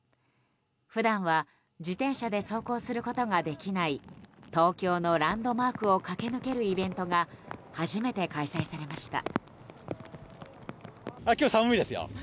普段は自転車で走行することができない東京のランドマークを駆け抜けるイベントが初めて開催されました。